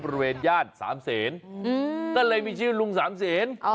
บริเวณย่าสามเศษอื้มก็เลยมีชื่อลุงสามเศษ